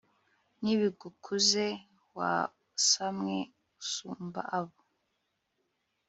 nibigukuze, wasamwe usumba abo